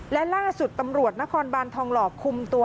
และล่าสุดตำรวจนครบานทองหล่อคุมตัว